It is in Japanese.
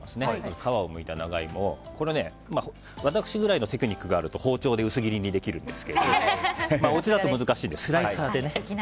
皮をむいた長イモを私ぐらいのテクニックがあると包丁で薄切りにできるんですけれどもおうちだと難しいのでスライサーで。